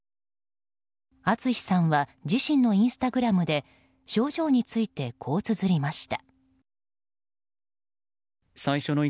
ＡＴＳＵＳＨＩさんは自身のインスタグラムに症状についてこうつづりました。